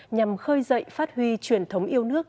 nhằm khơi dậy phát huy truyền thống yêu nước